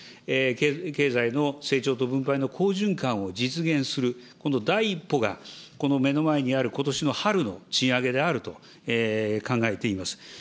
経済の成長と分配の好循環を実現する、この第一歩が、この目の前にあることしの春の賃上げであると、考えています。